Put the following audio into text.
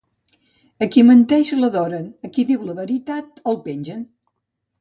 A qui menteix, l'adoren; a qui diu la veritat, el pengen.